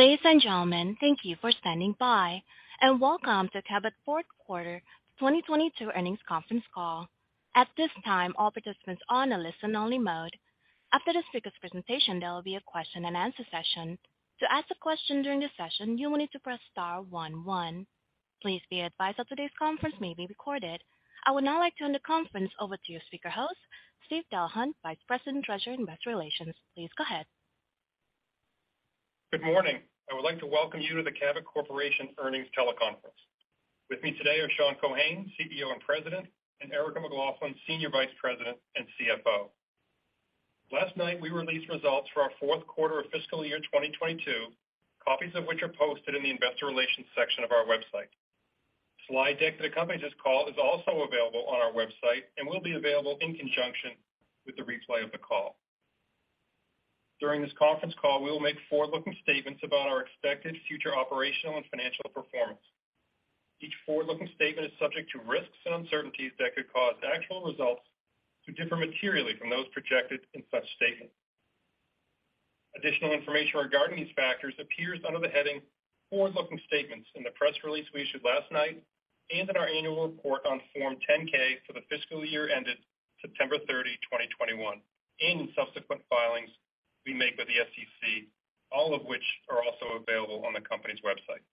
Ladies and gentlemen, thank you for standing by, and welcome to Cabot fourth quarter 2022 earnings conference call. At this time, all participants are in a listen-only mode. After the speaker's presentation, there will be a question-and-answer session. To ask a question during the session, you will need to press star 1 1. Please be advised that today's conference may be recorded. I would now like to turn the conference over to your speaker host, Steve Delahunt, Vice President, Treasurer, Investor Relations. Please go ahead. Good morning. I would like to welcome you to the Cabot Corporation Earnings Teleconference. With me today are Sean Keohane, CEO and President, and Erica McLaughlin, Senior Vice President and CFO. Last night we released results for our fourth quarter of fiscal year 2022, copies of which are posted in the investor relations section of our website. Slide deck that accompanies this call is also available on our website and will be available in conjunction with the replay of the call. During this conference call, we will make forward-looking statements about our expected future operational and financial performance. Each forward-looking statement is subject to risks and uncertainties that could cause actual results to differ materially from those projected in such statements. Additional information regarding these factors appears under the heading Forward-Looking Statements in the press release we issued last night and in our annual report on Form 10-K for the fiscal year ended September 30, 2021. In subsequent filings we make with the SEC, all of which are also available on the company's website.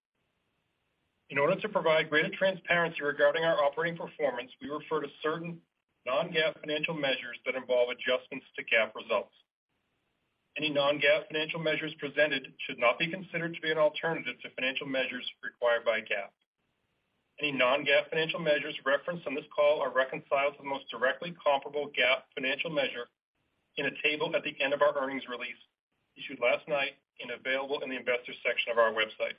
In order to provide greater transparency regarding our operating performance, we refer to certain non-GAAP financial measures that involve adjustments to GAAP results. Any non-GAAP financial measures presented should not be considered to be an alternative to financial measures required by GAAP. Any non-GAAP financial measures referenced on this call are reconciled to the most directly comparable GAAP financial measure in a table at the end of our earnings release issued last night and available in the investors section of our website.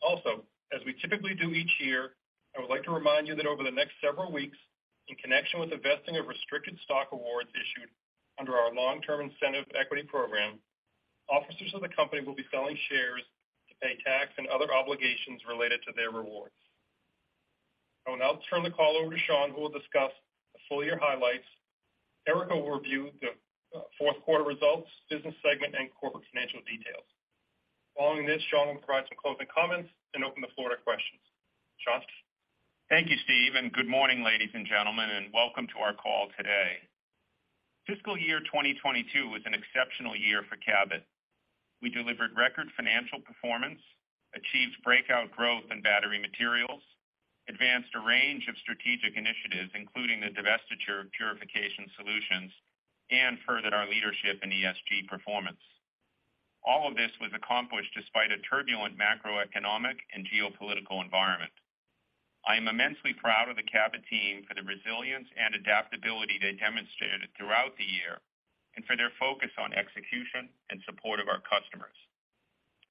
Also, as we typically do each year, I would like to remind you that over the next several weeks, in connection with the vesting of restricted stock awards issued under our long-term incentive equity program, officers of the company will be selling shares to pay tax and other obligations related to their rewards. I will now turn the call over to Sean, who will discuss the full year highlights. Erica will review the fourth quarter results, business segment and corporate financial details. Following this, Sean will provide some closing comments and open the floor to questions. Sean? Thank you, Steve, and good morning, ladies and gentlemen, and welcome to our call today. Fiscal year 2022 was an exceptional year for Cabot. We delivered record financial performance, achieved breakout growth in Battery Materials, advanced a range of strategic initiatives, including the divestiture of Purification Solutions, and furthered our leadership in ESG performance. All of this was accomplished despite a turbulent macroeconomic and geopolitical environment. I am immensely proud of the Cabot team for the resilience and adaptability they demonstrated throughout the year and for their focus on execution and support of our customers.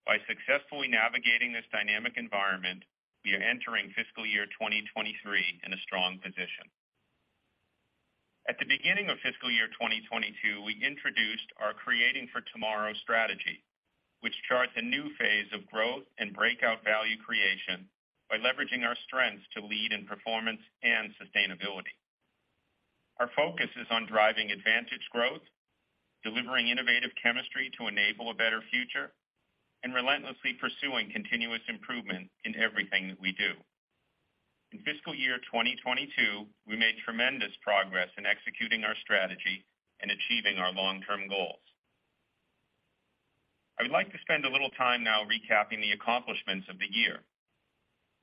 By successfully navigating this dynamic environment, we are entering fiscal year 2023 in a strong position. At the beginning of fiscal year 2022, we introduced our Creating for Tomorrow strategy, which charts a new phase of growth and breakout value creation by leveraging our strengths to lead in performance and sustainability. Our focus is on driving advantage growth, delivering innovative chemistry to enable a better future, and relentlessly pursuing continuous improvement in everything that we do. In fiscal year 2022, we made tremendous progress in executing our strategy and achieving our long-term goals. I would like to spend a little time now recapping the accomplishments of the year.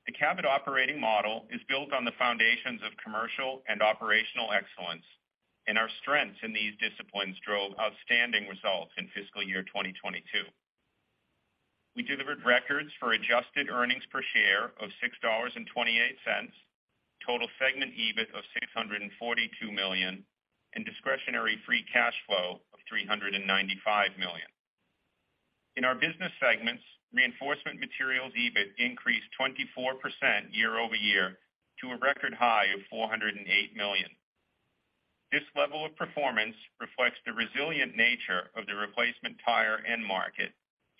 The Cabot operating model is built on the foundations of commercial and operational excellence, and our strengths in these disciplines drove outstanding results in fiscal year 2022. We delivered records for adjusted earnings per share of $6.28, total segment EBIT of $642 million, and discretionary free cash flow of $395 million. In our business segments, reinforcement materials EBIT increased 24% year-over-year to a record high of $408 million. This level of performance reflects the resilient nature of the replacement tire end market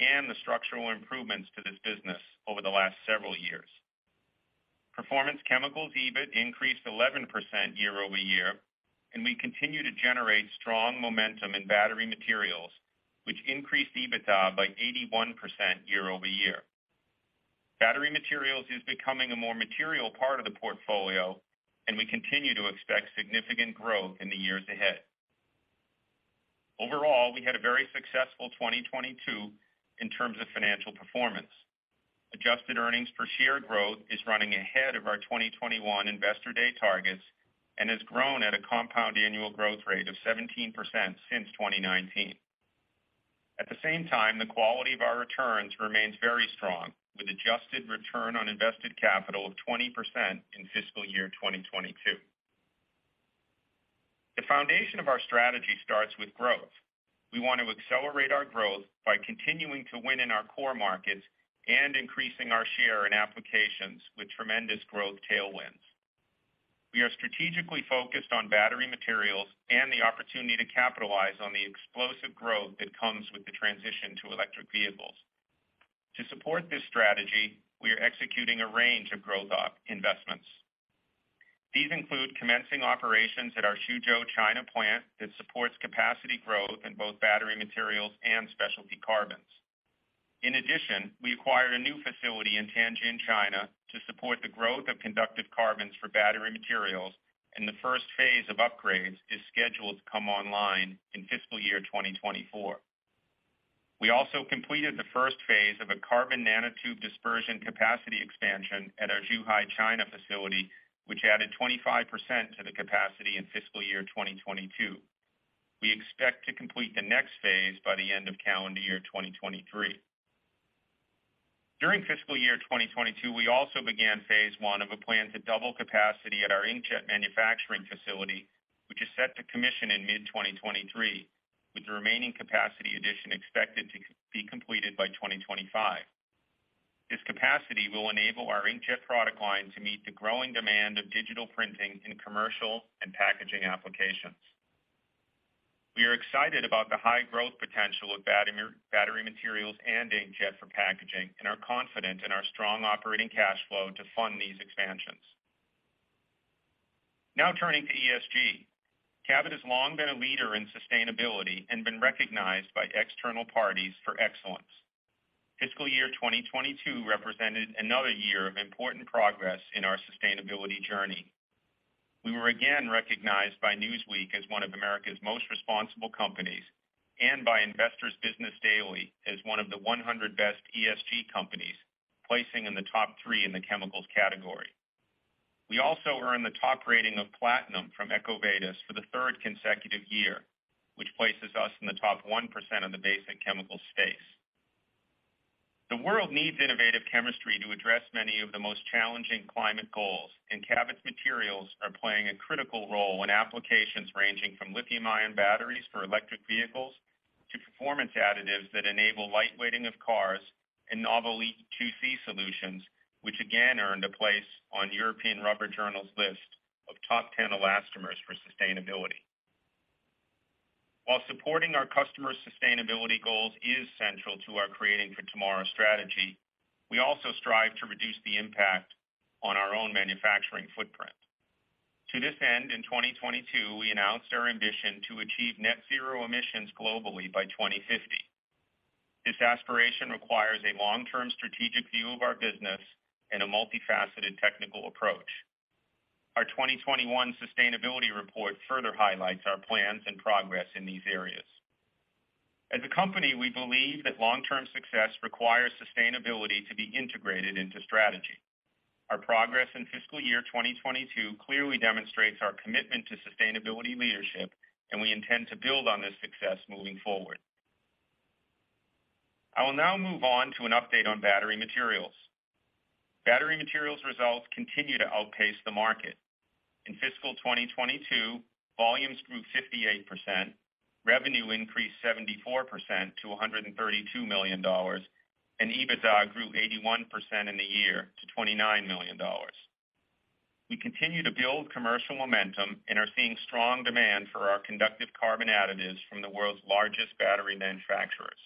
and the structural improvements to this business over the last several years. Performance Chemicals EBIT increased 11% year-over-year, and we continue to generate strong momentum in Battery Materials, which increased EBITDA by 81% year-over-year. Battery Materials is becoming a more material part of the portfolio and we continue to expect significant growth in the years ahead. Overall, we had a very successful 2022 in terms of financial performance. Adjusted earnings per share growth is running ahead of our 2021 Investor Day targets and has grown at a compound annual growth rate of 17% since 2019. At the same time, the quality of our returns remains very strong, with adjusted return on invested capital of 20% in fiscal year 2022. The foundation of our strategy starts with growth. We want to accelerate our growth by continuing to win in our core markets and increasing our share in applications with tremendous growth tailwinds. We are strategically focused on battery materials and the opportunity to capitalize on the explosive growth that comes with the transition to electric vehicles. To support this strategy, we are executing a range of growth capex investments. These include commencing operations at our Suzhou, China plant that supports capacity growth in both battery materials and specialty carbons. In addition, we acquired a new facility in Tianjin, China, to support the growth of conductive carbons for battery materials, and the first phase of upgrades is scheduled to come online in fiscal year 2024. We also completed the first phase of a carbon nanotube dispersion capacity expansion at our Zhuhai, China facility, which added 25% to the capacity in fiscal year 2022. We expect to complete the next phase by the end of calendar year 2023. During fiscal year 2022, we also began phase one of a plan to double capacity at our inkjet manufacturing facility, which is set to commission in mid-2023, with the remaining capacity addition expected to be completed by 2025. This capacity will enable our inkjet product line to meet the growing demand of digital printing in commercial and packaging applications. We are excited about the high growth potential of battery materials and inkjet for packaging and are confident in our strong operating cash flow to fund these expansions. Now turning to ESG. Cabot has long been a leader in sustainability and been recognized by external parties for excellence. Fiscal year 2022 represented another year of important progress in our sustainability journey. We were again recognized by Newsweek as one of America's most responsible companies, and by Investor's Business Daily as one of the 100 best ESG companies, placing in the top 3 in the chemicals category. We also earned the top rating of platinum from EcoVadis for the third consecutive year, which places us in the top 1% of the basic chemical space. The world needs innovative chemistry to address many of the most challenging climate goals, and Cabot's materials are playing a critical role in applications ranging from lithium-ion batteries for electric vehicles to performance additives that enable lightweighting of cars and novel E2C solutions, which again earned a place on European Rubber Journal's list of top 10 elastomers for sustainability. While supporting our customers' sustainability goals is central to our Creating for Tomorrow strategy, we also strive to reduce the impact on our own manufacturing footprint. To this end, in 2022, we announced our ambition to achieve net zero emissions globally by 2050. This aspiration requires a long-term strategic view of our business and a multifaceted technical approach. Our 2021 sustainability report further highlights our plans and progress in these areas. As a company, we believe that long-term success requires sustainability to be integrated into strategy. Our progress in fiscal year 2022 clearly demonstrates our commitment to sustainability leadership, and we intend to build on this success moving forward. I will now move on to an update on Battery Materials. Battery Materials results continue to outpace the market. In fiscal 2022, volumes grew 58%, revenue increased 74% to $132 million, and EBITDA grew 81% in the year to $29 million. We continue to build commercial momentum and are seeing strong demand for our conductive carbon additives from the world's largest battery manufacturers.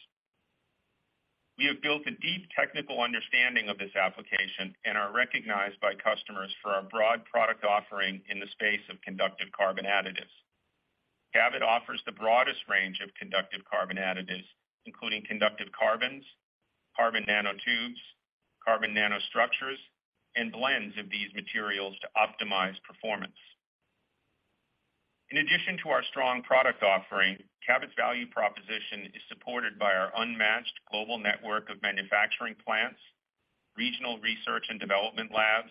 We have built a deep technical understanding of this application and are recognized by customers for our broad product offering in the space of conductive carbon additives. Cabot offers the broadest range of conductive carbon additives, including conductive carbons, carbon nanotubes, carbon nanostructures, and blends of these materials to optimize performance. In addition to our strong product offering, Cabot's value proposition is supported by our unmatched global network of manufacturing plants, regional research and development labs,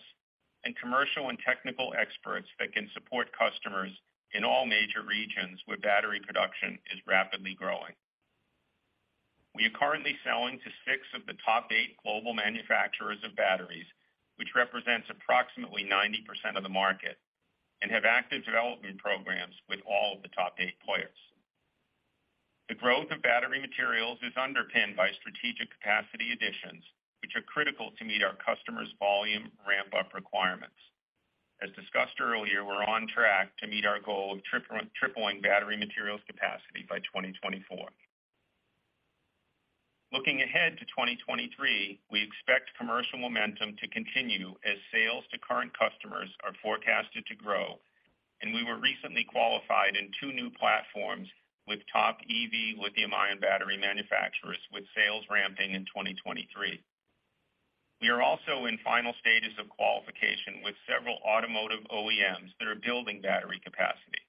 and commercial and technical experts that can support customers in all major regions where battery production is rapidly growing. We are currently selling to six of the top eight global manufacturers of batteries, which represents approximately 90% of the market, and have active development programs with all of the top eight players. The growth of battery materials is underpinned by strategic capacity additions, which are critical to meet our customers' volume ramp-up requirements. As discussed earlier, we're on track to meet our goal of tripling battery materials capacity by 2024. Looking ahead to 2023, we expect commercial momentum to continue as sales to current customers are forecasted to grow, and we were recently qualified in two new platforms with top EV lithium-ion battery manufacturers with sales ramping in 2023. We are also in final stages of qualification with several automotive OEMs that are building battery capacity.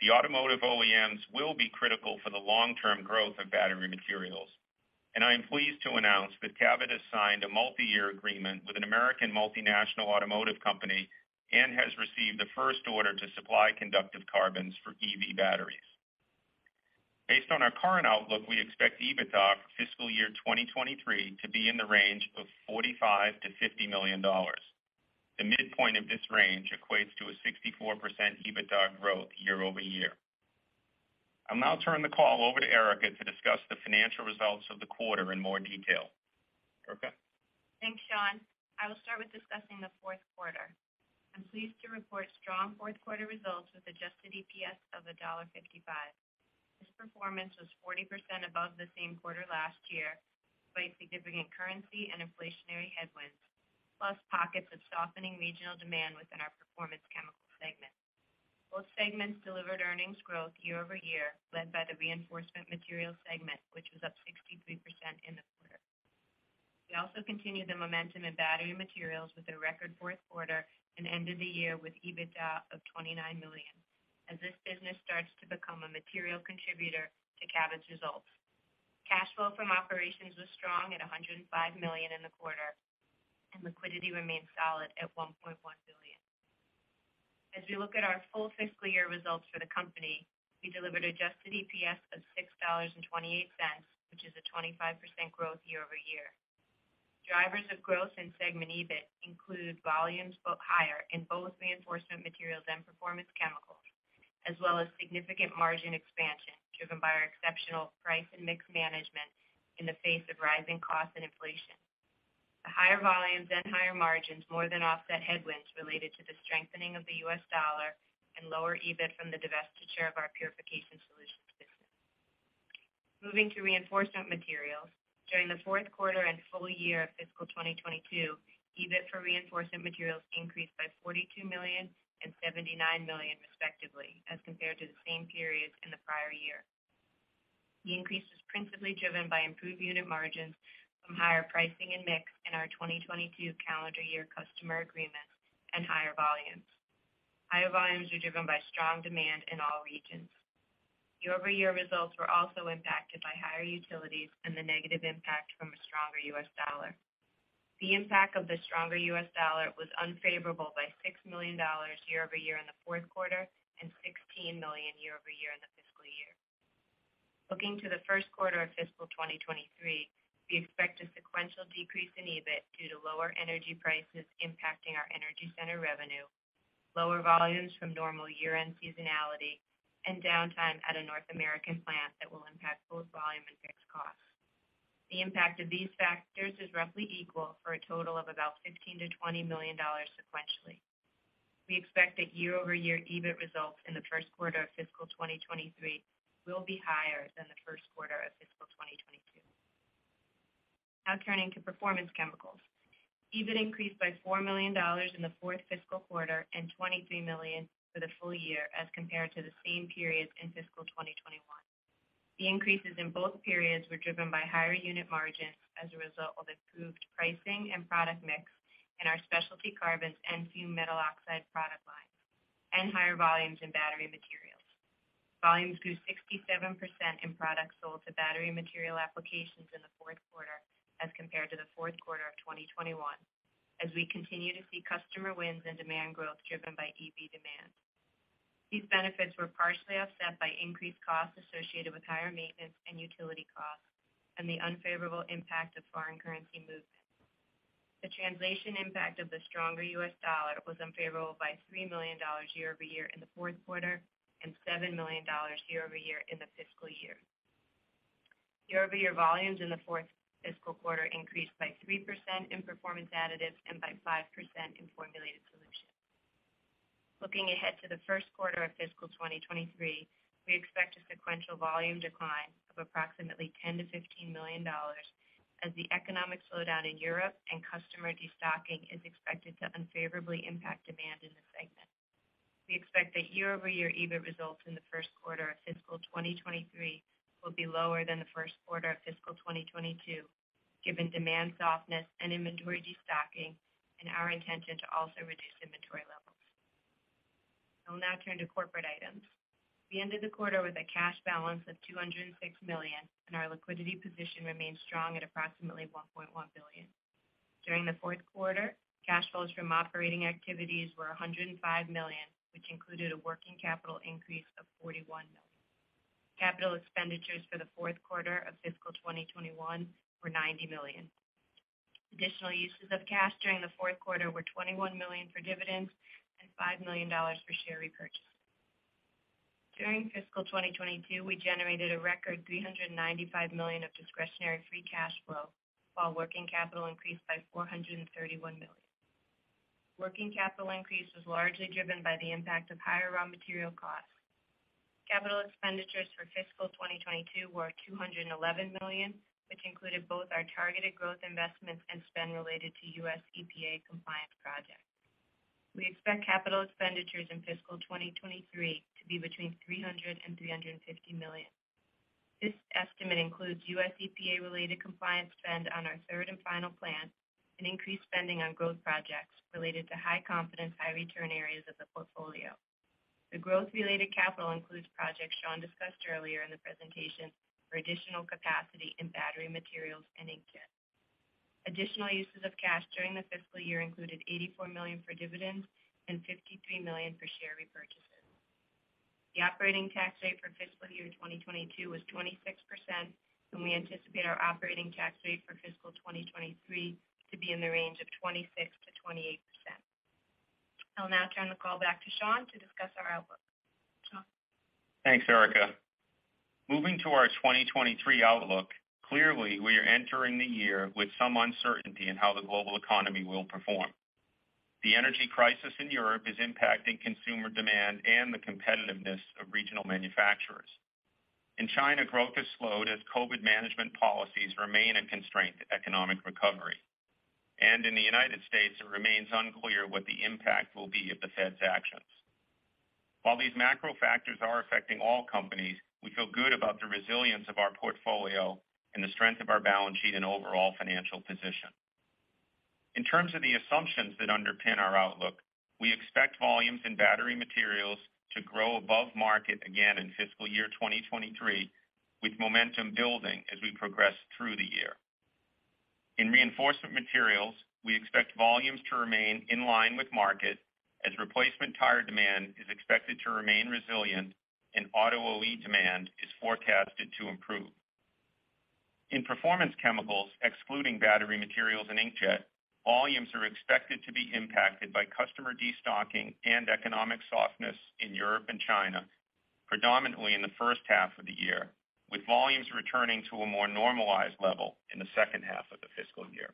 The automotive OEMs will be critical for the long-term growth of battery materials, and I am pleased to announce that Cabot has signed a multi-year agreement with an American multinational automotive company and has received the first order to supply conductive carbons for EV batteries. Based on our current outlook, we expect EBITDA for fiscal year 2023 to be in the range of $45 million-$50 million. The midpoint of this range equates to a 64% EBITDA growth year-over-year. I'll now turn the call over to Erica to discuss the financial results of the quarter in more detail. Erica? Thanks, Sean. I will start with discussing the fourth quarter. I'm pleased to report strong fourth quarter results with Adjusted EPS of $1.55. This performance was 40% above the same quarter last year, despite significant currency and inflationary headwinds, plus pockets of softening regional demand within our Performance Chemicals segment. Both segments delivered earnings growth year-over-year, led by the Reinforcement Materials segment, which was up 63% in the quarter. We also continued the momentum in Battery Materials with a record fourth quarter and end of the year with EBITDA of $29 million. As this business starts to become a material contributor to Cabot's results. Cash flow from operations was strong at $105 million in the quarter, and liquidity remained solid at $1.1 billion. As we look at our full fiscal year results for the company, we delivered Adjusted EPS of $6.28, which is a 25% growth year-over-year. Drivers of growth in segment EBIT include volumes both higher in both Reinforcement Materials and Performance Chemicals, as well as significant margin expansion driven by our exceptional price and mix management in the face of rising costs and inflation. The higher volumes and higher margins more than offset headwinds related to the strengthening of the U.S. dollar and lower EBIT from the divestiture of our Purification Solutions business. Moving to Reinforcement Materials. During the fourth quarter and full year of fiscal 2022, EBIT for Reinforcement Materials increased by $42 million and $79 million, respectively, as compared to the same periods in the prior year. The increase was principally driven by improved unit margins from higher pricing and mix in our 2022 calendar year customer agreements and higher volumes. Higher volumes were driven by strong demand in all regions. Year-over-year results were also impacted by higher utilities and the negative impact from a stronger US dollar. The impact of the stronger US dollar was unfavorable by $6 million year-over-year in the fourth quarter and $16 million year-over-year in the fiscal year. Looking to the first quarter of fiscal 2023, we expect a sequential decrease in EBIT due to lower energy prices impacting our energy center revenue, lower volumes from normal year-end seasonality, and downtime at a North American plant that will impact both volume and fixed costs. The impact of these factors is roughly equal for a total of about $15-$20 million sequentially. We expect that year-over-year EBIT results in the first quarter of fiscal 2023 will be higher than the first quarter of fiscal 2022. Now turning to Performance Chemicals. EBIT increased by $4 million in the fourth fiscal quarter and $23 million for the full year as compared to the same period in fiscal 2021. The increases in both periods were driven by higher unit margins as a result of improved pricing and product mix in our specialty carbons and fumed metal oxide product lines, and higher volumes in battery materials. Volumes grew 67% in products sold to battery material applications in the fourth quarter as compared to the fourth quarter of 2021 as we continue to see customer wins and demand growth driven by EV demand. These benefits were partially offset by increased costs associated with higher maintenance and utility costs and the unfavorable impact of foreign currency movements. The translation impact of the stronger U.S. dollar was unfavorable by $3 million year-over-year in the fourth quarter, and $7 million year-over-year in the fiscal year. Year-over-year volumes in the fourth fiscal quarter increased by 3% in Performance Additives and by 5% in Formulated Solutions. Looking ahead to the first quarter of fiscal 2023, we expect a sequential volume decline of approximately $10 million-$15 million as the economic slowdown in Europe and customer destocking is expected to unfavorably impact demand in the segment. We expect that year-over-year EBIT results in the first quarter of fiscal 2023 will be lower than the first quarter of fiscal 2022, given demand softness and inventory destocking and our intention to also reduce inventory levels. I'll now turn to corporate items. We ended the quarter with a cash balance of $206 million, and our liquidity position remains strong at approximately $1.1 billion. During the fourth quarter, cash flows from operating activities were $105 million, which included a working capital increase of $41 million. Capital expenditures for the fourth quarter of fiscal 2021 were $90 million. Additional uses of cash during the fourth quarter were $21 million for dividends and $5 million for share repurchase. During fiscal 2022, we generated a record $395 million of discretionary free cash flow, while working capital increased by $431 million. Working capital increase was largely driven by the impact of higher raw material costs. Capital expenditures for fiscal 2022 were $211 million, which included both our targeted growth investments and spend related to US EPA compliance projects. We expect capital expenditures in fiscal 2023 to be between $300 and $350 million. This estimate includes US EPA-related compliance spend on our third and final plant and increased spending on growth projects related to high-confidence, high-return areas of the portfolio. The growth-related capital includes projects Sean discussed earlier in the presentation for additional capacity in battery materials and inkjets. Additional uses of cash during the fiscal year included $84 million for dividends and $53 million for share repurchases. The operating tax rate for fiscal year 2022 was 26%, and we anticipate our operating tax rate for fiscal 2023 to be in the range of 26%-28%. I'll now turn the call back to Sean to discuss our outlook. Sean? Thanks, Erica. Moving to our 2023 outlook, clearly, we are entering the year with some uncertainty in how the global economy will perform. The energy crisis in Europe is impacting consumer demand and the competitiveness of regional manufacturers. In China, growth has slowed as COVID management policies remain a constraint to economic recovery. In the United States, it remains unclear what the impact will be of the Fed's actions. While these macro factors are affecting all companies, we feel good about the resilience of our portfolio and the strength of our balance sheet and overall financial position. In terms of the assumptions that underpin our outlook, we expect volumes in battery materials to grow above market again in fiscal year 2023, with momentum building as we progress through the year. In Reinforcement Materials, we expect volumes to remain in line with market as replacement tire demand is expected to remain resilient and auto OE demand is forecasted to improve. In Performance Chemicals, excluding battery materials and inkjet, volumes are expected to be impacted by customer destocking and economic softness in Europe and China, predominantly in the first half of the year, with volumes returning to a more normalized level in the second half of the fiscal year.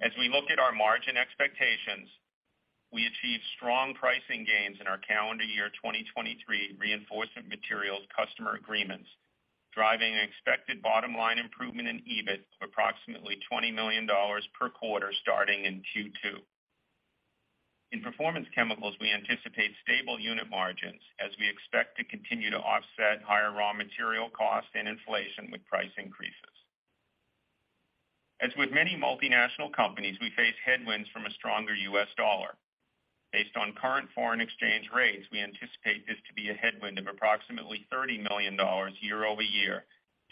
As we look at our margin expectations, we achieved strong pricing gains in our calendar year 2023 Reinforcement Materials customer agreements, driving an expected bottom line improvement in EBIT of approximately $20 million per quarter starting in Q2. In Performance Chemicals, we anticipate stable unit margins as we expect to continue to offset higher raw material cost and inflation with price increases. As with many multinational companies, we face headwinds from a stronger US dollar. Based on current foreign exchange rates, we anticipate this to be a headwind of approximately $30 million year over year,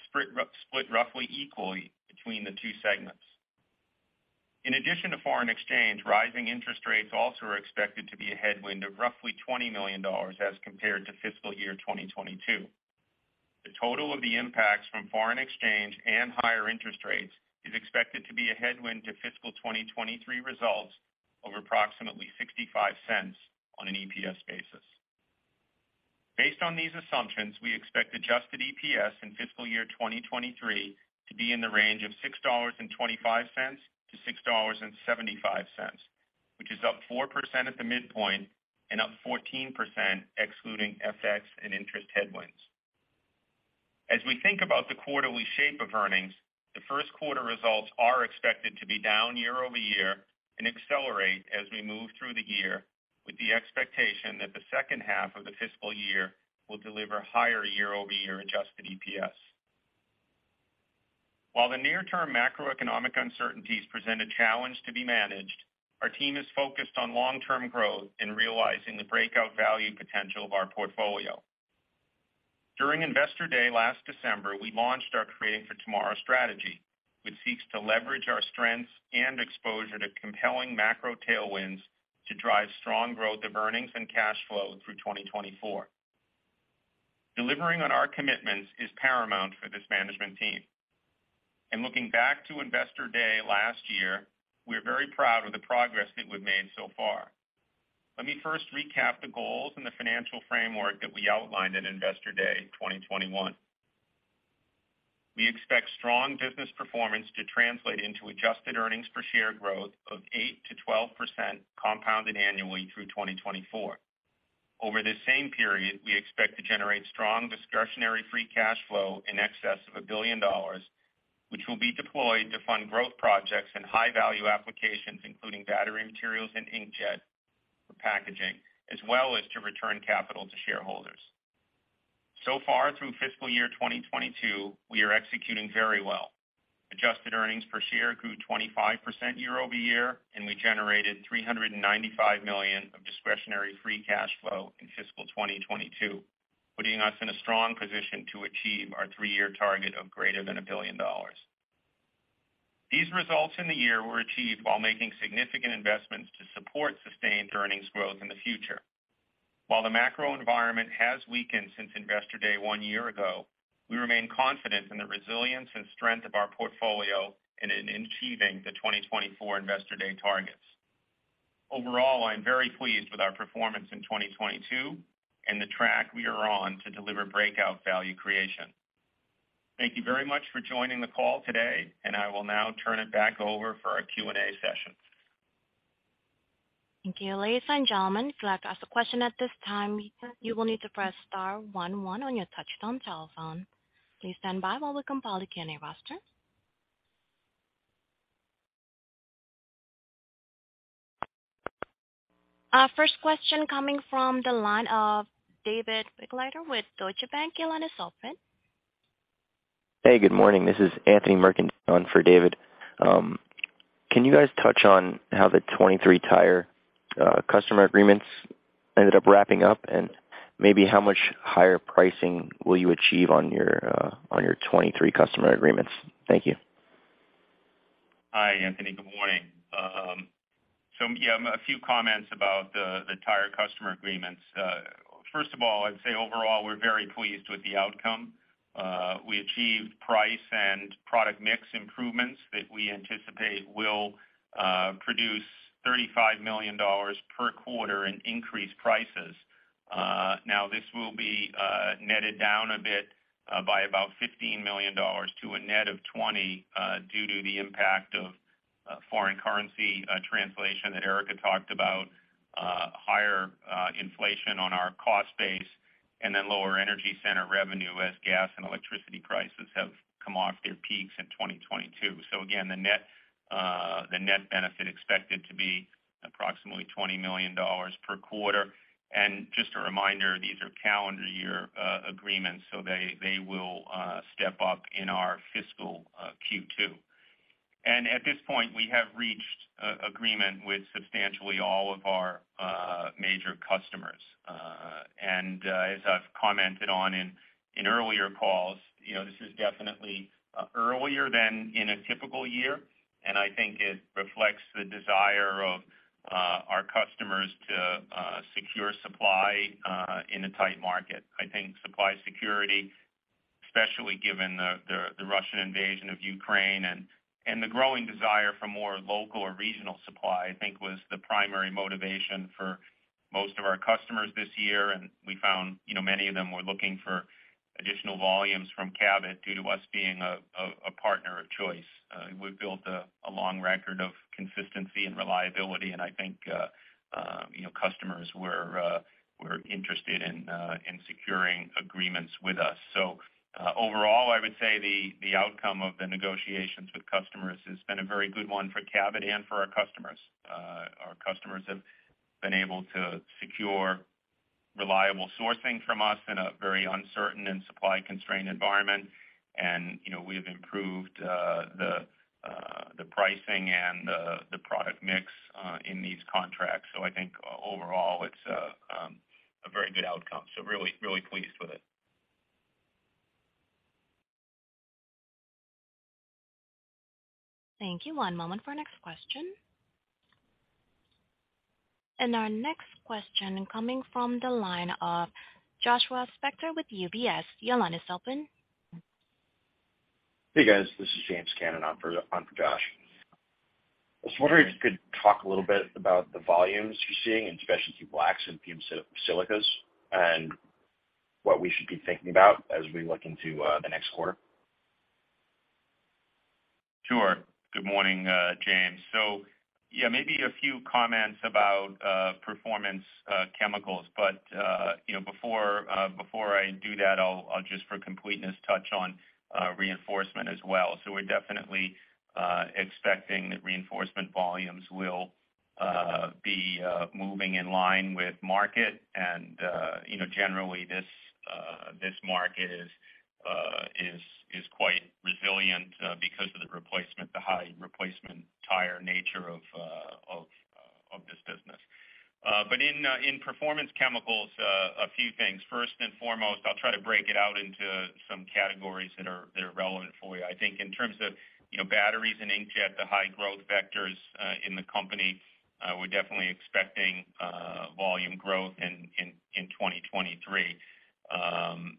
split roughly equally between the two segments. In addition to foreign exchange, rising interest rates also are expected to be a headwind of roughly $20 million as compared to fiscal year 2022. The total of the impacts from foreign exchange and higher interest rates is expected to be a headwind to fiscal 2023 results of approximately $0.65 on an EPS basis. Based on these assumptions, we expect adjusted EPS in fiscal year 2023 to be in the range of $6.25-$6.75, which is up 4% at the midpoint and up 14% excluding FX and interest headwinds. As we think about the quarterly shape of earnings, the first quarter results are expected to be down year-over-year and accelerate as we move through the year, with the expectation that the second half of the fiscal year will deliver higher year-over-year adjusted EPS. While the near term macroeconomic uncertainties present a challenge to be managed, our team is focused on long-term growth in realizing the breakout value potential of our portfolio. During Investor Day last December, we launched our Creating for Tomorrow strategy, which seeks to leverage our strengths and exposure to compelling macro tailwinds to drive strong growth of earnings and cash flow through 2024. Delivering on our commitments is paramount for this management team. Looking back to Investor Day last year, we're very proud of the progress that we've made so far. Let me first recap the goals and the financial framework that we outlined at Investor Day 2021. We expect strong business performance to translate into adjusted earnings per share growth of 8%-12% compounded annually through 2024. Over this same period, we expect to generate strong discretionary free cash flow in excess of $1 billion, which will be deployed to fund growth projects and high value applications, including battery materials and inkjet for packaging, as well as to return capital to shareholders. So far through fiscal year 2022, we are executing very well. Adjusted earnings per share grew 25% year-over-year, and we generated $395 million of discretionary free cash flow in fiscal 2022, putting us in a strong position to achieve our three-year target of greater than $1 billion. These results in the year were achieved while making significant investments to support sustained earnings growth in the future. While the macro environment has weakened since Investor Day one year ago, we remain confident in the resilience and strength of our portfolio and in achieving the 2024 Investor Day targets. Overall, I am very pleased with our performance in 2022 and the track we are on to deliver breakout value creation. Thank you very much for joining the call today, and I will now turn it back over for our Q&A session. Thank you. Ladies and gentlemen, if you'd like to ask a question at this time, you will need to press star one one on your touchtone telephone. Please stand by while we compile the Q&A roster. First question coming from the line of David Begleiter with Deutsche Bank. Your line is open. Hey, good morning. This is Anthony Mercandetti for David. Can you guys touch on how the 2023 tire customer agreements ended up wrapping up? Maybe how much higher pricing will you achieve on your 2023 customer agreements? Thank you. Hi, Anthony. Good morning. A few comments about the tire customer agreements. First of all, I'd say overall, we're very pleased with the outcome. We achieved price and product mix improvements that we anticipate will produce $35 million per quarter in increased prices. Now this will be netted down a bit by about $15 million to a net of 20 due to the impact of foreign currency translation that Erica talked about, higher inflation on our cost base and then lower energy center revenue as gas and electricity prices have come off their peaks in 2022. Again, the net benefit expected to be approximately $20 million per quarter. Just a reminder, these are calendar year agreements, so they will step up in our fiscal Q2. At this point, we have reached agreement with substantially all of our major customers. As I've commented on in earlier calls, you know, this is definitely earlier than in a typical year, and I think it reflects the desire of our customers to secure supply in a tight market. I think supply security, especially given the Russian invasion of Ukraine and the growing desire for more local or regional supply, I think was the primary motivation for most of our customers this year. We found, you know, many of them were looking for additional volumes from Cabot due to us being a partner of choice. We've built a long record of consistency and reliability, and I think, you know, customers were interested in securing agreements with us. Overall, I would say the outcome of the negotiations with customers has been a very good one for Cabot and for our customers. Our customers have been able to secure reliable sourcing from us in a very uncertain and supply-constrained environment. You know, we have improved the pricing and the product mix in these contracts. I think overall, it's a very good outcome. Really pleased with it. Thank you. One moment for our next question. Our next question coming from the line of Joshua Spector with UBS. Your line is open. Hey, guys. This is James Cannon on for Josh. I was wondering if you could talk a little bit about the volumes you're seeing in specialty blacks and fumed silicas and what we should be thinking about as we look into the next quarter. Sure. Good morning, James. Yeah, maybe a few comments about Performance Chemicals. You know, before I do that, I'll just for completeness, touch on reinforcement as well. We're definitely expecting that reinforcement volumes will be moving in line with market. You know, generally, this market is quite resilient because of the high replacement tire nature of this business. In Performance Chemicals, a few things. First and foremost, I'll try to break it out into some categories that are relevant for you. I think in terms of you know, batteries and inkjet, the high growth vectors in the company, we're definitely expecting volume growth in 2023.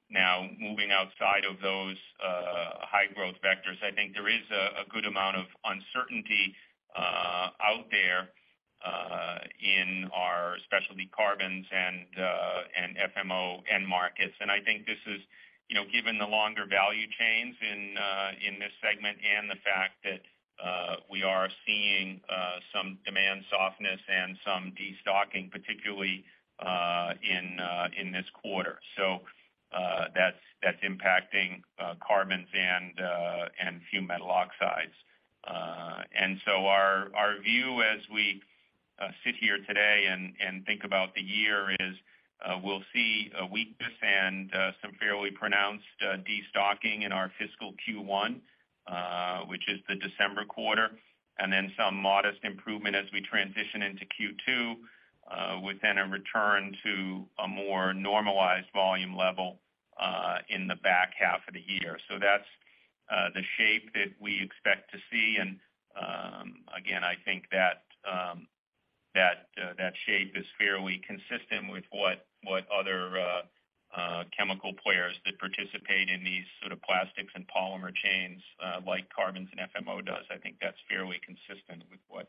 Now moving outside of those high growth vectors, I think there is a good amount of uncertainty out there in our specialty carbons and FMO end markets. I think this is, you know, given the longer value chains in this segment and the fact that we are seeing some demand softness and some destocking, particularly in this quarter. That's impacting carbons and fumed metal oxides. Our view as we sit here today and think about the year is we'll see a weakness and some fairly pronounced destocking in our fiscal Q1, which is the December quarter, and then some modest improvement as we transition into Q2, with then a return to a more normalized volume level in the back half of the year. That's the shape that we expect to see. Again, I think that shape is fairly consistent with what other chemical players that participate in these sort of plastics and polymer chains like carbons and FMO does. I think that's fairly consistent with what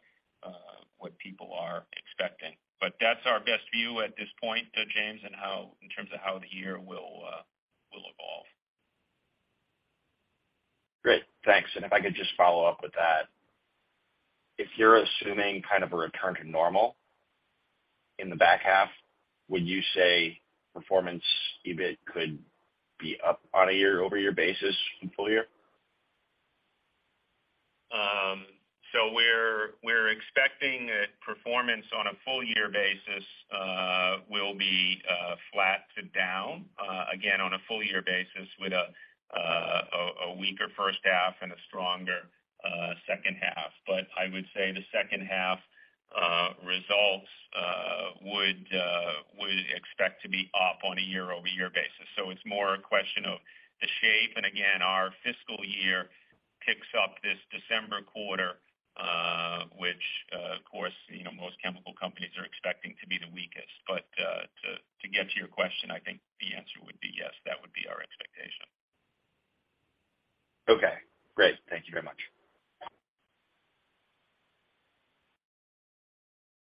people are expecting. That's our best view at this point, James, and in terms of how the year will evolve. Great. Thanks. If I could just follow up with that. If you're assuming kind of a return to normal in the back half, would you say performance EBIT could be up on a year-over-year basis from full year? We're expecting that performance on a full year basis will be flat to down again on a full year basis with a weaker first half and a stronger second half. I would say the second half results would expect to be up on a year-over-year basis. It's more a question of the shape. Again, our fiscal year kicks off this December quarter, which, of course, you know, most chemical companies are expecting to be the weakest. To get to your question, I think the answer would be yes, that would be our expectation. Okay, great. Thank you very much.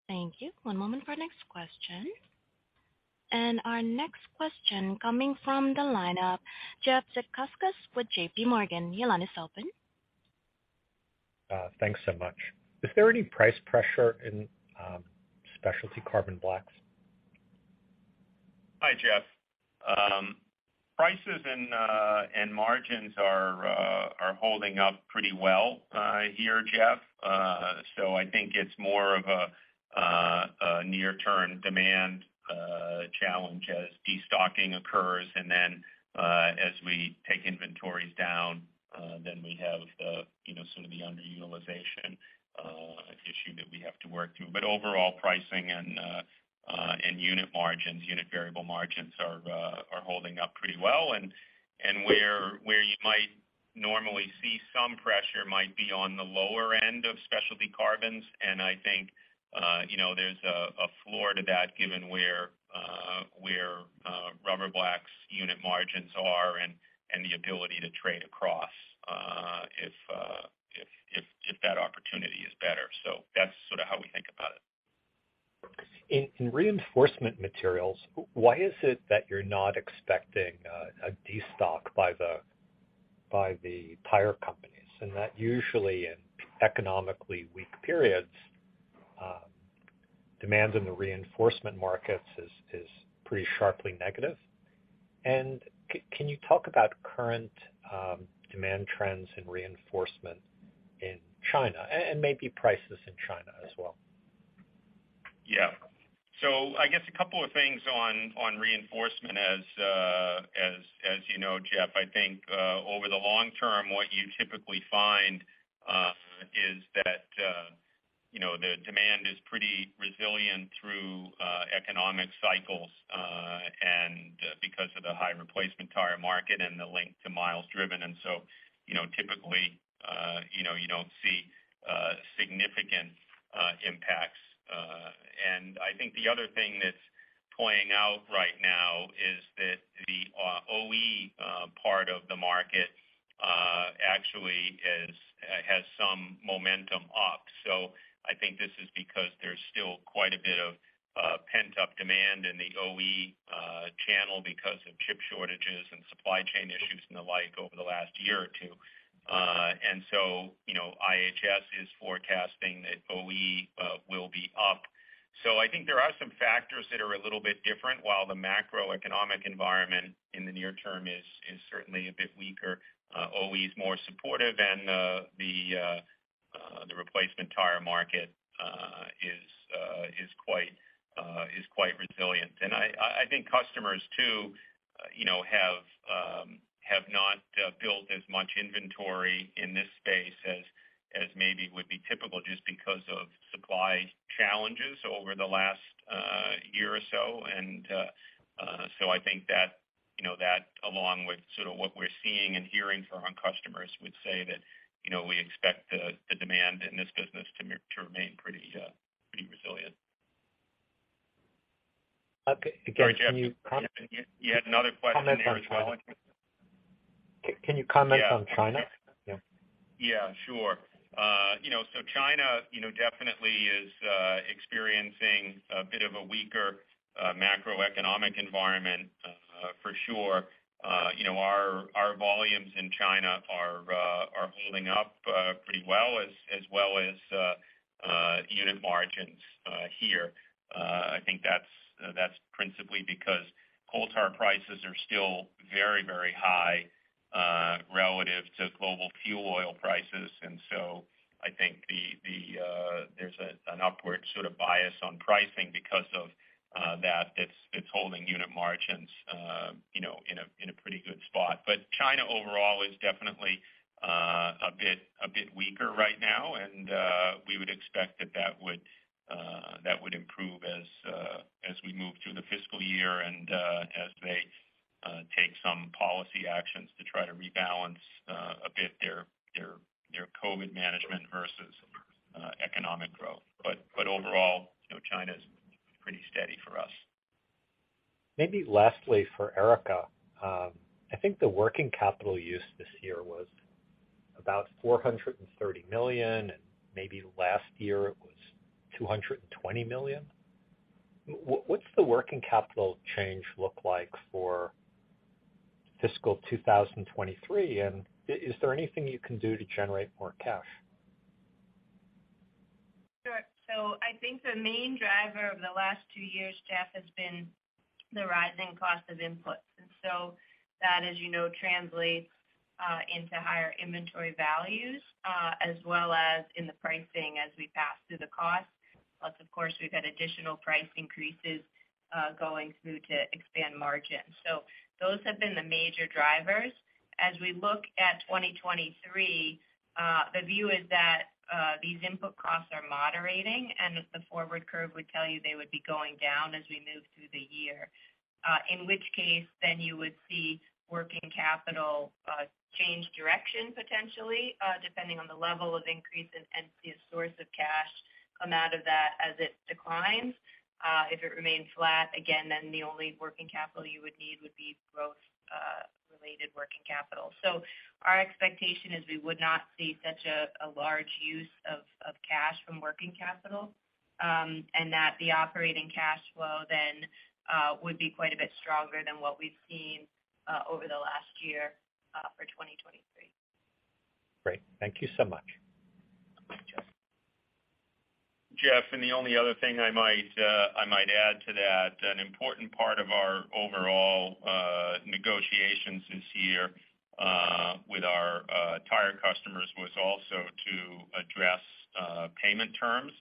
Thank you. One moment for next question. Our next question coming from the line of, Jeff Zekauskas with JPMorgan. Your line is open. Thanks so much. Is there any price pressure in specialty carbon blacks? Hi, Jeff. Prices and margins are holding up pretty well here, Jeff. I think it's more of a near term demand challenge as destocking occurs and then as we take inventories down, then we have you know, some of the underutilization issue that we have to work through. Overall pricing and unit margins, unit variable margins are holding up pretty well. Where you might normally see some pressure might be on the lower end of specialty carbons. I think you know, there's a floor to that given where rubber blacks unit margins are and the ability to trade across if that opportunity is better. That's sort of how we think about it. In Reinforcement Materials, why is it that you're not expecting a destock by the tire companies? That usually in economically weak periods, demand in the Reinforcement markets is pretty sharply negative. Can you talk about current demand trends in Reinforcement in China and maybe prices in China as well? Yeah. I guess a couple of things on reinforcement as you know, Jeff, I think over the long term, what you typically find is that you know the demand is pretty resilient through economic cycles and because of the high replacement tire market and the link to miles driven. You know, typically you know you don't see significant impacts. I think the other thing that's playing out right now is that the OE part of the market actually has some momentum up. I think this is because there's still quite a bit of pent-up demand in the OE channel because of chip shortages and supply chain issues and the like over the last year or two. You know, IHS is forecasting that OE will be up. I think there are some factors that are a little bit different. While the macroeconomic environment in the near term is certainly a bit weaker, OE is more supportive and the replacement tire market is quite resilient. I think customers too, you know, have not built as much inventory in this space as maybe would be typical just because of supply challenges over the last year or so. I think that, you know, that along with sort of what we're seeing and hearing from our customers would say that, you know, we expect the demand in this business to remain pretty resilient. Okay. Sorry, Jeff. You had another question there as well? Comment on China. Can you comment on China? Yeah. Yeah, sure. You know, China you know definitely is experiencing a bit of a weaker macroeconomic environment for sure. You know, our volumes in China are holding up pretty well as well as unit margins here. I think that's principally because coal tar prices are still very high relative to global fuel oil prices. I think there's an upward sort of bias on pricing because of that. It's holding unit margins you know in a pretty good spot. China overall is definitely a bit weaker right now. We would expect that would improve as we move through the fiscal year and as they take some policy actions to try to rebalance a bit their COVID management versus economic growth. But overall, you know, China's pretty steady for us. Maybe lastly for Erica. I think the working capital use this year was about $430 million, and maybe last year it was $220 million. What's the working capital change look like for fiscal 2023? Is there anything you can do to generate more cash? Sure. I think the main driver of the last two years, Jeff, has been the rising cost of inputs. That, as you know, translates into higher inventory values as well as in the pricing as we pass through the cost. Plus, of course, we've had additional price increases going through to expand margins. Those have been the major drivers. As we look at 2023, the view is that these input costs are moderating, and as the forward curve would tell you, they would be going down as we move through the year. In which case you would see working capital change direction potentially, depending on the level of increase in inventory and source of cash come out of that as it declines. If it remains flat again, then the only working capital you would need would be growth-needed working capital. Our expectation is we would not see such a large use of cash from working capital, and that the operating cash flow then would be quite a bit stronger than what we've seen over the last year for 2023. Great. Thank you so much. You're welcome. Jeff, the only other thing I might add to that, an important part of our overall negotiations this year with our tire customers was also to address payment terms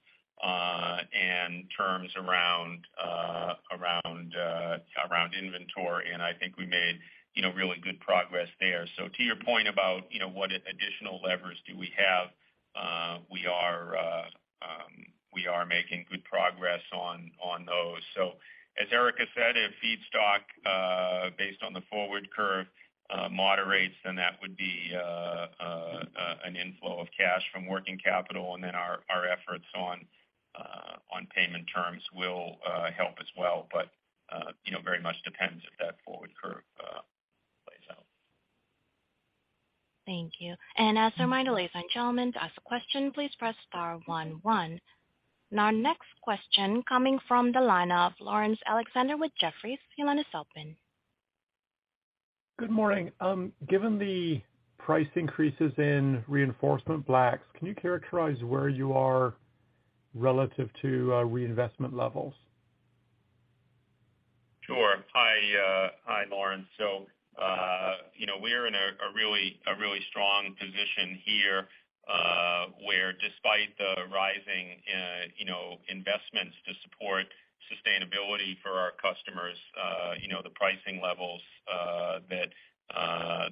and terms around inventory, and I think we made, you know, really good progress there. To your point about, you know, what additional levers do we have, we are making good progress on those. As Erica said, if feedstock based on the forward curve moderates, then that would be an inflow of cash from working capital, and then our efforts on payment terms will help as well. You know, very much depends if that forward curve plays out. Thank you. As a reminder, ladies and gentlemen, to ask a question, please press star one one. Our next question coming from the line of Laurence Alexander with Jefferies. You will now open. Good morning. Given the price increases in reinforcement blacks, can you characterize where you are relative to reinvestment levels? Sure. Hi, Laurence. You know, we're in a really strong position here, where despite the rising, you know, investments to support sustainability for our customers, you know, the pricing levels that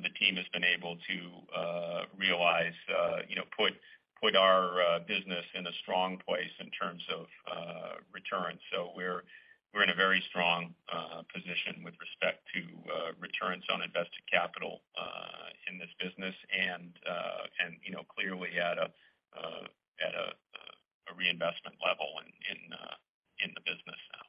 the team has been able to realize, you know, put our business in a strong place in terms of returns. We're in a very strong position with respect to returns on invested capital in this business and, you know, clearly at a reinvestment level in the business now.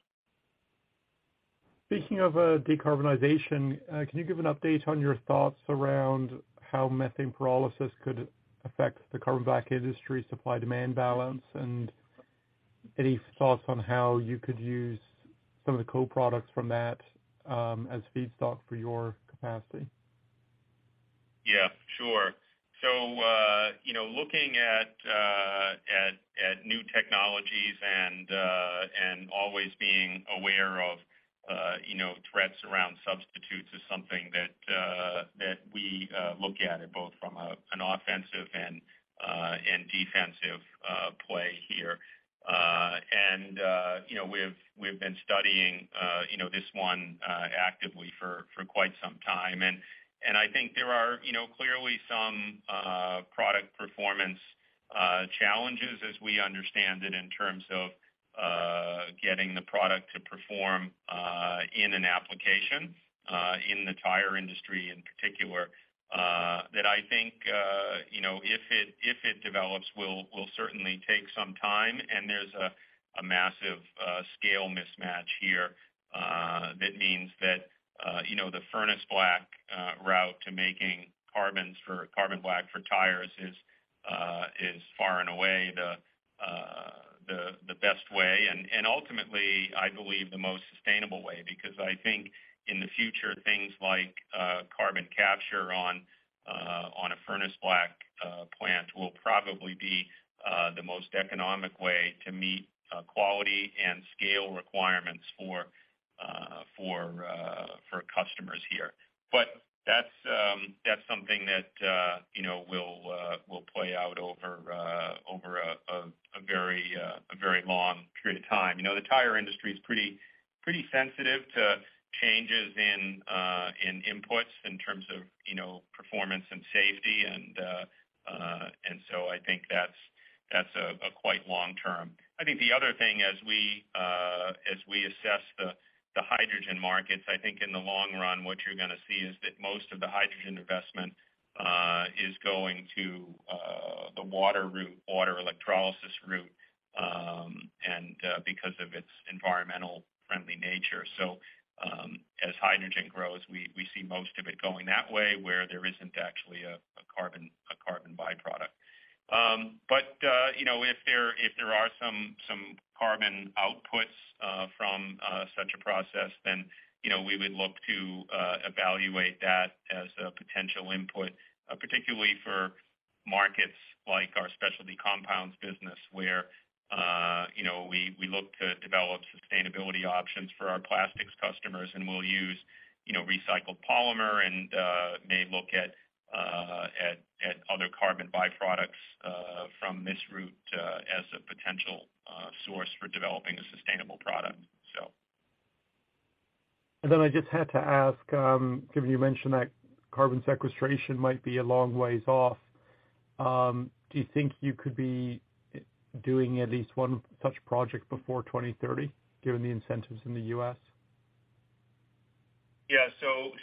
Speaking of decarbonization, can you give an update on your thoughts around how methane pyrolysis could affect the carbon black industry supply-demand balance? And any thoughts on how you could use some of the co-products from that as feedstock for your capacity? Yeah, sure. You know, looking at new technologies and always being aware of you know, threats around substitutes is something that we look at it both from an offensive and defensive play here. You know, we've been studying you know, this one actively for quite some time. I think there are you know, clearly some product performance challenges as we understand it in terms of getting the product to perform in an application in the tire industry in particular that I think you know, if it develops, will certainly take some time. There's a massive scale mismatch here that means that you know the furnace black route to making carbons for carbon black for tires is far and away the best way. Ultimately, I believe the most sustainable way, because I think in the future, things like carbon capture on a furnace black plant will probably be the most economic way to meet quality and scale requirements for customers here. That's something that you know will play out over a very long period of time. You know, the tire industry is pretty sensitive to changes in inputs in terms of you know performance and safety. I think that's a quite long term. I think the other thing as we assess the hydrogen markets, I think in the long run, what you're gonna see is that most of the hydrogen investment is going to the water route, water electrolysis route, and because of its environmentally friendly nature. As hydrogen grows, we see most of it going that way where there isn't actually a carbon by-product. You know, if there are some carbon outputs from such a process, then, you know, we would look to evaluate that as a potential input, particularly for markets like our specialty compounds business, where, you know, we look to develop sustainability options for our plastics customers, and we'll use, you know, recycled polymer and may look at other carbon by-products from this route as a potential source for developing a sustainable product. I just had to ask, given you mentioned that carbon sequestration might be a long ways off, do you think you could be doing at least one such project before 2030, given the incentives in the U.S.?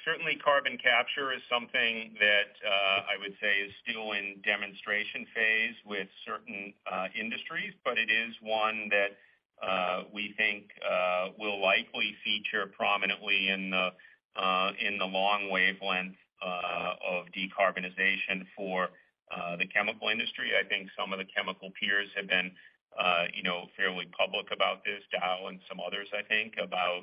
Certainly carbon capture is something that I would say is still in demonstration phase with certain industries. But it is one that will likely feature prominently in the long term of decarbonization for the chemical industry. I think some of the chemical peers have been you know fairly public about this, Dow and some others, I think, about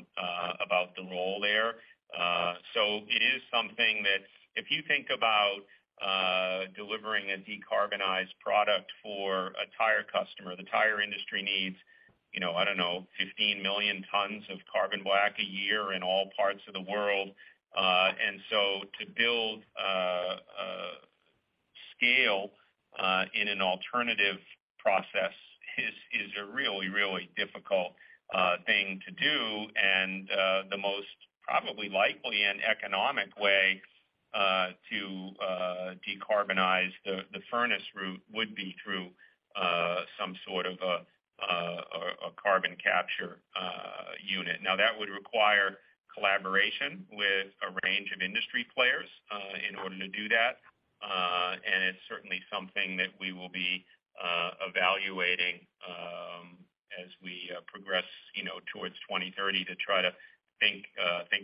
the role there. It is something that if you think about delivering a decarbonized product for a tire customer, the tire industry needs you know I don't know 15 million tons of carbon black a year in all parts of the world. To build scale in an alternative process is a really difficult thing to do. The most probably likely and economic way to decarbonize the furnace route would be through some sort of a carbon capture unit. Now, that would require collaboration with a range of industry players in order to do that. It's certainly something that we will be evaluating as we progress, you know, towards 2030 to try to think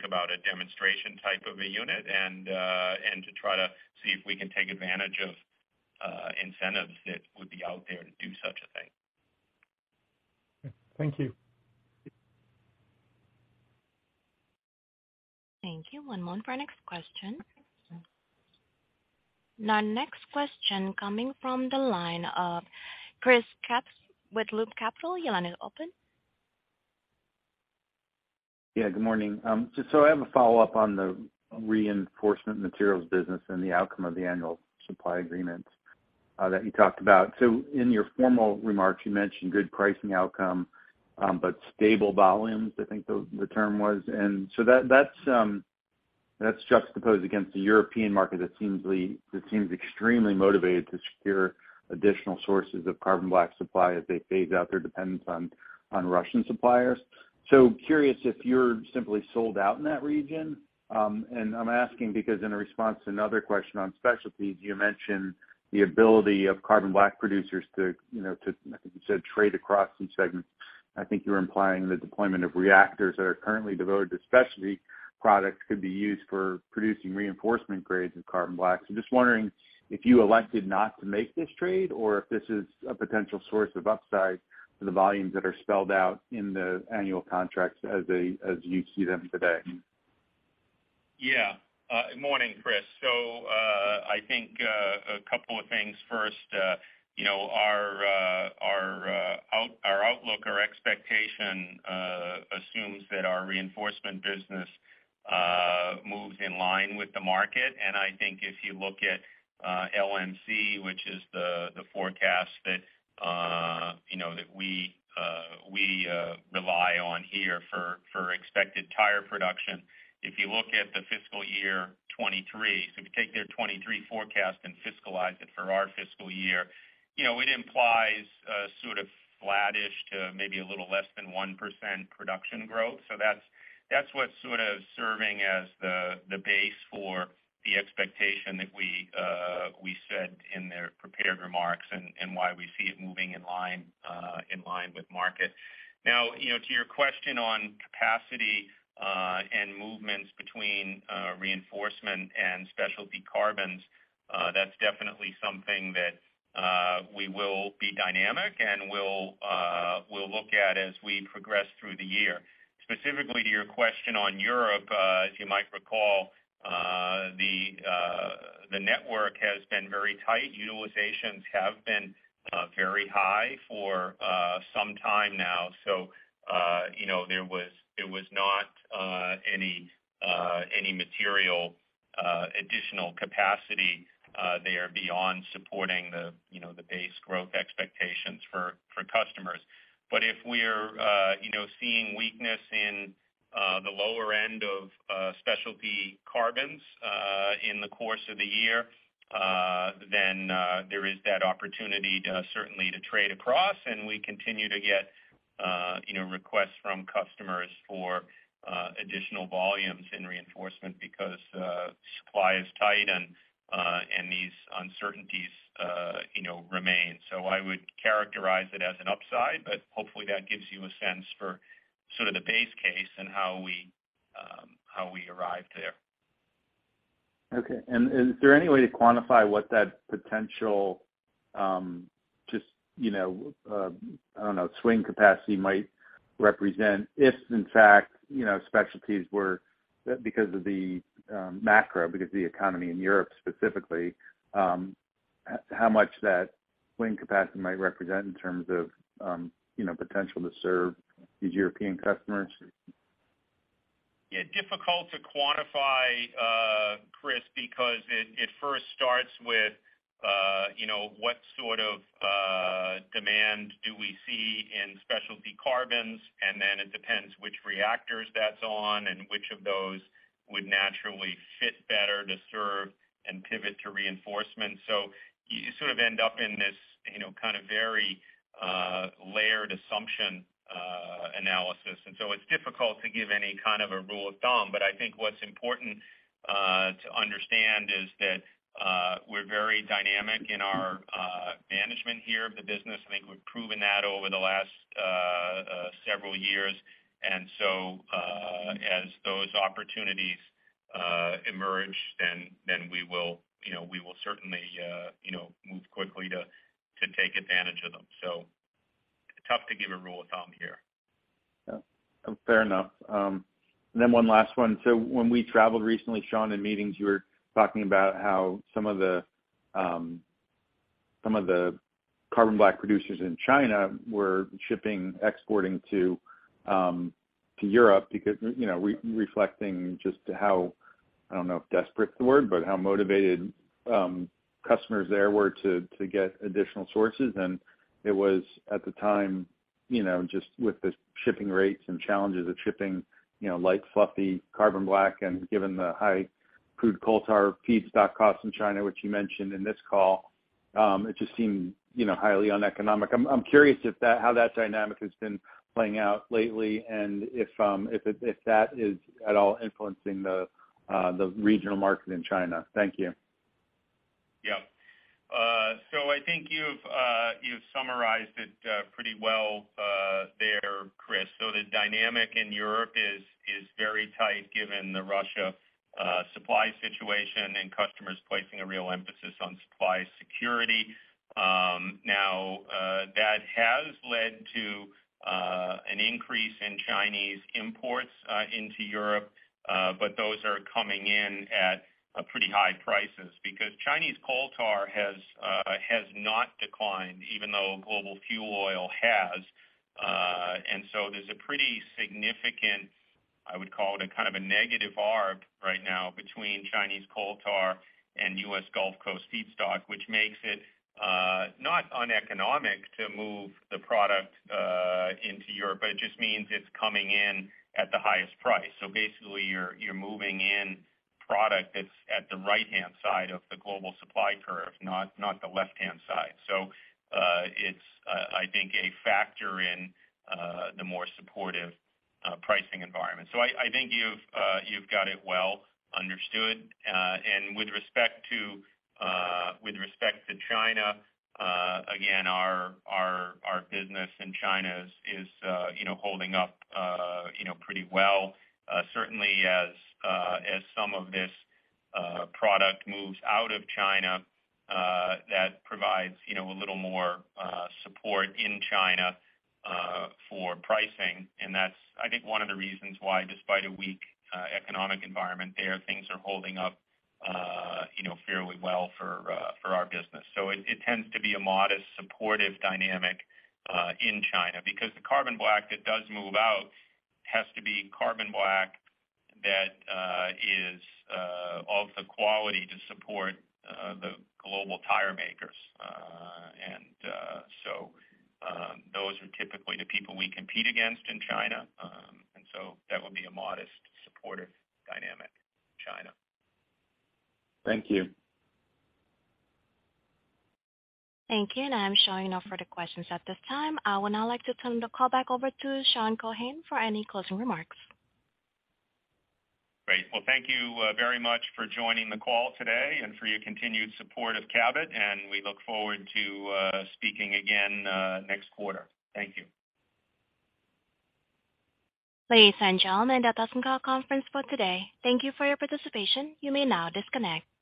about a demonstration type of a unit and to try to see if we can take advantage of incentives that would be out there to do such a thing. Thank you. Thank you. One moment for our next question. Our next question coming from the line of Chris Kapsch with Loop Capital. Your line is open. Yeah, good morning. Just so I have a follow-up on the Reinforcement Materials business and the outcome of the annual supply agreements that you talked about. In your formal remarks, you mentioned good pricing outcome, but stable volumes, I think the term was. That's juxtaposed against the European market that seems extremely motivated to secure additional sources of carbon black supply as they phase out their dependence on Russian suppliers. Curious if you're simply sold out in that region. I'm asking because in a response to another question on specialties, you mentioned the ability of carbon black producers to, you know, like you said, trade across these segments. I think you were implying the deployment of reactors that are currently devoted to specialty products could be used for producing reinforcement grades of carbon black. Just wondering if you elected not to make this trade or if this is a potential source of upside for the volumes that are spelled out in the annual contracts as you see them today. Yeah. Morning, Chris. I think a couple of things. First, you know, our outlook or expectation assumes that our reinforcement business moves in line with the market. I think if you look at LMC, which is the forecast that you know that we rely on here for expected tire production. If you look at the fiscal year 2023, so if you take their 2023 forecast and fiscalize it for our fiscal year, you know, it implies a sort of flattish to maybe a little less than 1% production growth. That's what's sort of serving as the base for the expectation that we said in their prepared remarks and why we see it moving in line with market. Now, you know, to your question on capacity, and movements between, reinforcement and specialty carbons, that's definitely something that, we will be dynamic and we'll look at as we progress through the year. Specifically to your question on Europe, as you might recall, the network has been very tight. Utilizations have been, very high for, some time now. You know, there was not any material additional capacity, there beyond supporting the, you know, the base growth expectations for, customers. But if we're, you know, seeing weakness in, the lower end of, specialty carbons, in the course of the year, then, there is that opportunity to certainly trade across. We continue to get, you know, requests from customers for additional volumes in reinforcement because supply is tight and these uncertainties, you know, remain. So I would characterize it as an upside, but hopefully that gives you a sense for sort of the base case and how we arrived there. Okay. Is there any way to quantify what that potential, just, you know, I don't know, swing capacity might represent if in fact, you know, specialties were because of the macro, because of the economy in Europe specifically, how much that swing capacity might represent in terms of, you know, potential to serve these European customers? Yeah. Difficult to quantify, Chris, because it first starts with, you know, what sort of demand do we see in specialty carbons, and then it depends which reactors that's on and which of those would naturally fit better to serve and pivot to reinforcement. You sort of end up in this, you know, kind of very layered assumption analysis. It's difficult to give any kind of a rule of thumb. But I think what's important to understand is that we're very dynamic in our management here of the business. I think we've proven that over the last several years. As those opportunities emerge, then we will, you know, we will certainly, you know, move quickly to take advantage of them. Tough to give a rule of thumb here. Yeah, fair enough. Then one last one. When we traveled recently, Sean, in meetings you were talking about how some of the carbon black producers in China were shipping, exporting to Europe because, you know, reflecting just how, I don't know if desperate is the word, but how motivated customers there were to get additional sources. It was at the time, you know, just with the shipping rates and challenges of shipping, you know, light, fluffy carbon black and given the high crude coal tar feedstock costs in China, which you mentioned in this call, it just seemed, you know, highly uneconomic. I'm curious how that dynamic has been playing out lately and if it is at all influencing the regional market in China. Thank you. Yeah. I think you've summarized it pretty well there, Chris. The dynamic in Europe is very tight given the Russian supply situation and customers placing a real emphasis on supply security. That has led to an increase in Chinese imports into Europe. But those are coming in at pretty high prices because Chinese coal tar has not declined even though global fuel oil has. There's a pretty significant, I would call it a kind of a negative arb right now between Chinese coal tar and U.S. Gulf Coast feedstock, which makes it not uneconomic to move the product into Europe, but it just means it's coming in at the highest price. Basically you're moving in product that's at the right-hand side of the global supply curve, not the left-hand side. It's I think a factor in the more supportive pricing environment. I think you've got it well understood. With respect to China, again, our business in China is, you know, holding up, you know, pretty well. Certainly as some of this product moves out of China, that provides, you know, a little more support in China for pricing. That's I think one of the reasons why despite a weak economic environment there, things are holding up, you know, fairly well for our business. It tends to be a modest, supportive dynamic in China because the carbon black that does move out has to be carbon black that is of the quality to support the global tire makers. Those are typically the people we compete against in China. That would be a modest supportive dynamic in China. Thank you. Thank you. I'm showing no further questions at this time. I would now like to turn the call back over to Sean Keohane for any closing remarks. Great. Well, thank you, very much for joining the call today and for your continued support of Cabot, and we look forward to speaking again next quarter. Thank you. Ladies and gentlemen, that does end our conference call today. Thank you for your participation. You may now disconnect. Goodbye.